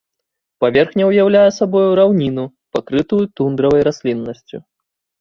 Паверхня ўяўляе сабою раўніну, пакрытую тундравай расліннасцю.